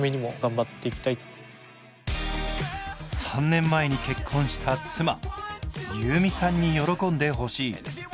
３年前に結婚した妻・宥美さんに喜んでほしい。